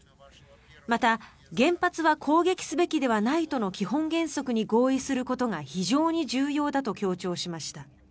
また、原発は攻撃すべきではないとの基本原則に合意することが非常に重要だと強調しました。